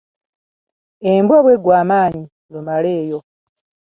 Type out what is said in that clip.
Embwa bwe ggwa amaanyi, Lumaleeyo.